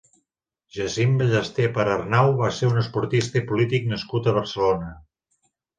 Jacint Ballesté Perarnau va ser un esportista i polític nascut a Barcelona.